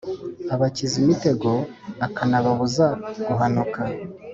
abakiza imitego, akanababuza guhanuka.